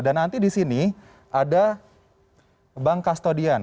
dan nanti di sini ada bank kustodian